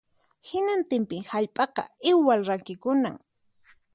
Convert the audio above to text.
Hinantinpin hallp'aqa iwal rakikunan